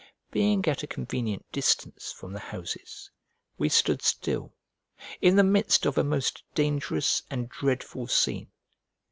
Being at a convenient distance from the houses, we stood still, in the midst of a most dangerous and dreadful scene.